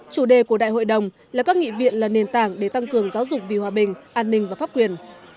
chủ đề của đại hội đồng là các nghị viện là nền tảng để tăng cường giáo dục vì hòa bình an ninh và pháp quyền